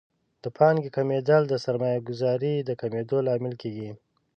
د پانګې کمیدل د سرمایه ګذارۍ د کمیدا لامل کیږي.